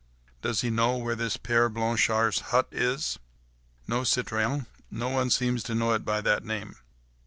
"Does he know where this 'Père Blanchard's hut' is?" "No, citoyen, nobody seems to know of it by that name.